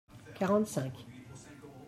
Quarante-cinq.